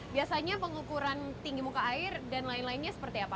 biasanya pengukuran tinggi muka air dan lain lainnya seperti apa